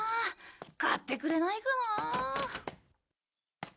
買ってくれないかなあ。